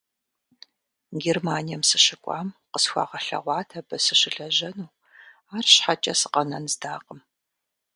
Германием сыщыкӀуам къысхуагъэлъэгъуат абы сыщылэжьэну, арщхьэкӀэ сыкъэнэн здакъым.